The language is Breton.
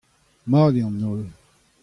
Mat eo an holl.